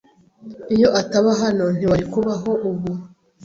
Iyo ataba hano, ntiwari kubaho ubu.